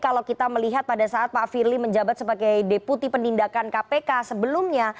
kalau kita melihat pada saat pak firly menjabat sebagai deputi penindakan kpk sebelumnya